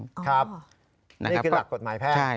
นี่คือหลักกฎหมายแพทย์